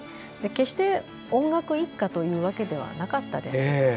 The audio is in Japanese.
決して音楽一家というわけではなかったです。